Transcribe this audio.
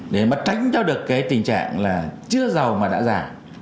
để mà tránh cho được cái tình trạng là chưa giàu mà đã giảm